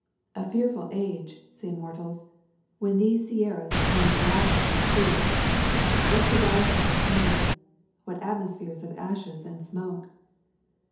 A fearful age, say mortals, when these Sierras flowed [ 195 ] A Thousand Mile W alk lava to the sea. What horizons of flame! What atmospheres of ashes and smoke!